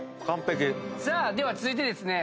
さあでは続いてですね